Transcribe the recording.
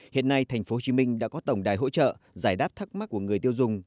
hiện nay tp hcm đã có tổng đài hỗ trợ giải đáp thắc mắc của người tiêu dùng